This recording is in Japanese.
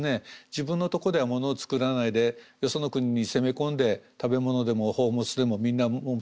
自分のとこでは物を作らないでよその国に攻め込んで食べ物でも宝物でもみんな持ってくると。